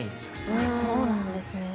そうなんですね。